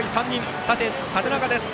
縦長です。